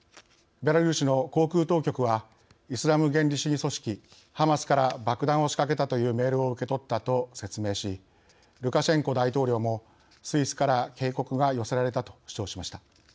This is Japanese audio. ベラルーシの航空当局はイスラム原理主義組織ハマスから爆弾を仕掛けたというメールを受け取ったと説明しルカシェンコ大統領も「スイスから警告が寄せられた」と主張しました。